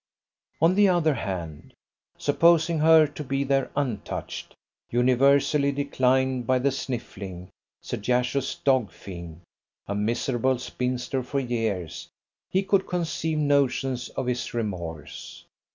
On the other hand, supposing her to be there untouched, universally declined by the sniffling, sagacious dog fiend, a miserable spinster for years, he could conceive notions of his remorse.